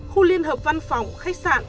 khu liên hợp văn phòng khách sạn